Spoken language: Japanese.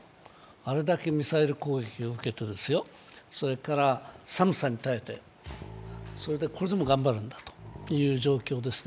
あれだけミサイル攻撃を受けて、それから寒さに耐えて、これでも頑張るんだという状況ですね。